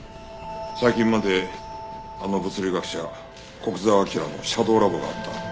最近まであの物理学者古久沢明のシャドーラボがあった。